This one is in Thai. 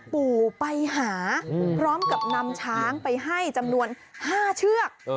ปู่ไปหาพร้อมกับนำช้างไปให้จำนวน๕เชือก